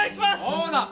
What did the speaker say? そうだ！